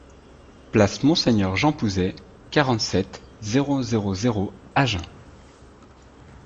Place Monseigneur Jean Pouzet, quarante-sept, zéro zéro zéro Agen